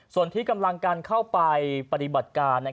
ส่วนที่กำลังการเข้าไปปฏิบัติการ